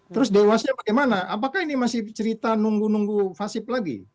terus dewasnya bagaimana apakah ini masih cerita nunggu nunggu fasip lagi